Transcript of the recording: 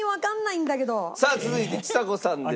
さあ続いてちさ子さんです。